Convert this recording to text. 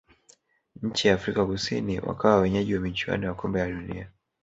nchi ya afrika kusini wakawa wenyeji wa michuano ya kombe la dunia